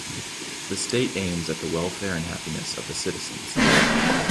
The state aims at the welfare and happiness of the citizens.